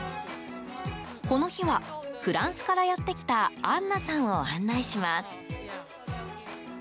この日はフランスからやってきたアンナさんを案内します。